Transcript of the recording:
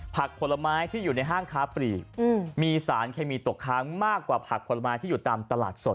ผลไม้ที่อยู่ในห้างค้าปลีกมีสารเคมีตกค้างมากกว่าผักผลไม้ที่อยู่ตามตลาดสด